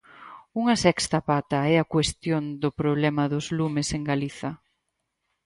Unha sexta pata é a cuestión do problema dos lumes en Galiza.